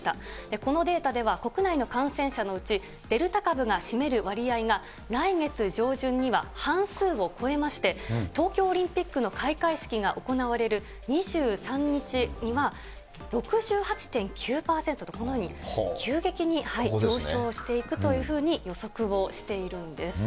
このデータでは国内の感染者のうち、デルタ株が占める割合が来月上旬には半数を超えまして、東京オリンピックの開会式が行われる２３日には６８．９％と、このように急激に上昇していくというふうに予測をしているんです。